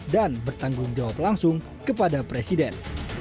dan bertanggung jawab langsung kepada presiden